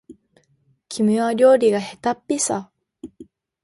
君は料理がへたっぴさ